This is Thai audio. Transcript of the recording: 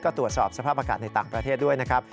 ก็ตรวจสอบสภาพอากาศในต่างประเทศด้วยนะครับ